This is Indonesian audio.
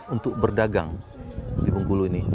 untuk berdagang di bengkulu ini